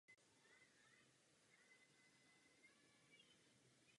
Nedává to smysl.